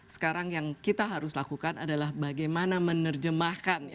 sekarang yang kita harus lakukan adalah bagaimana menerjemahkan